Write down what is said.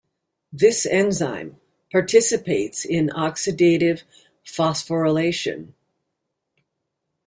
This enzyme participates in oxidative phosphorylation.